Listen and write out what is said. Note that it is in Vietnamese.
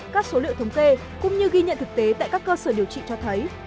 các số liệu thống kê cũng như ghi nhận thực tế tại các cơ sở điều trị cho thấy